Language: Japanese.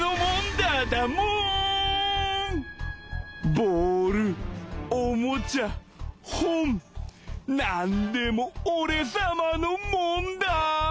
ボールおもちゃほんなんでもおれさまのモンダ！